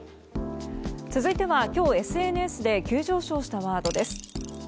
続いては今日ＳＮＳで急上昇したワードです。